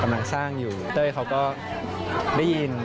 กำลังสร้างอยู่เต้ยเขาก็ได้ยิน